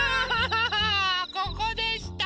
ここでした！